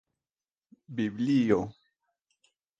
biblio